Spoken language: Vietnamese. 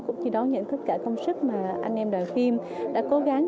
cũng chỉ đón nhận tất cả công sức mà anh em đoàn phim đã cố gắng